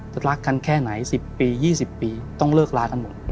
จะรักกันแค่ไหนสิบปียี่สิบปีต้องเลิกลากันหมดอืม